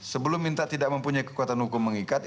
sebelum minta tidak mempunyai kekuatan hukum mengikat